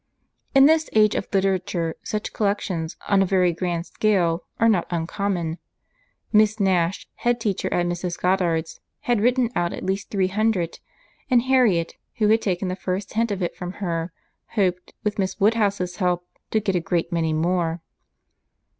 In this age of literature, such collections on a very grand scale are not uncommon. Miss Nash, head teacher at Mrs. Goddard's, had written out at least three hundred; and Harriet, who had taken the first hint of it from her, hoped, with Miss Woodhouse's help, to get a great many more.